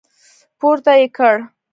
پورته يې کړ.